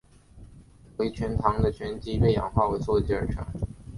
为醛糖的醛基被氧化为羧基而成。